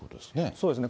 そうですね。